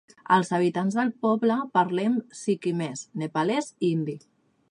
Els habitants del poble parlen sikkimès, nepalès i hindi.